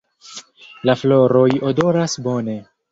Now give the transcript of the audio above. La floroj odoras bone.